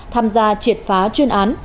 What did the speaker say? tham gia triệt phá chuyên án